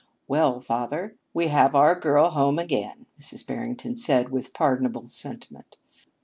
"Well, father, we have our girl home again," Mrs. Barrington said with pardonable sentiment.